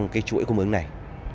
cái chuỗi cung ứng này